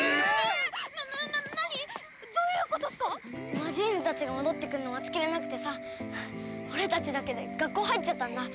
マジーヌたちが戻ってくんの待ちきれなくてさ俺たちだけで学校入っちゃったんだ。